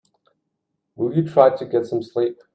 Will you try to get some sleep?